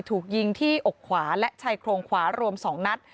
ถูกยิงที่อกขวาและชายโครงขวารวม๒นัด